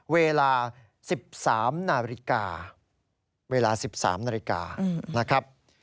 เวลา๑๓นาฬิกา